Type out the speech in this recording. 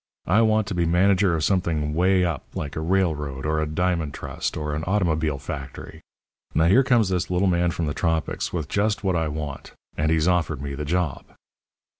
I want to be manager of something way up like a railroad or a diamond trust or an automobile factory. Now here comes this little man from the tropics with just what I want, and he's offered me the job.'